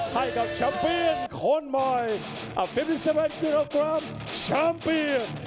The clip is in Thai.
ให้กับชัมเปียนคนใหม่